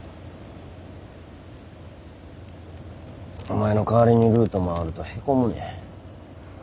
お前のかわりにルート回るとへこむねん。